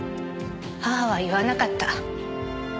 母は言わなかった。